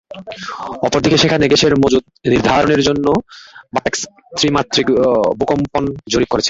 অপরদিকে সেখানে গ্যাসের মজুত নির্ধারণের জন্য বাপেক্স ত্রিমাত্রিক ভূকম্পন জরিপ করেছে।